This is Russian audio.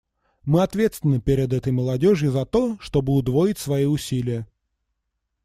Мы ответственны перед этой молодежью за то, чтобы удвоить свои усилия.